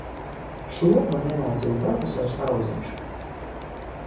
Šo man iemācīja profesors Auziņš.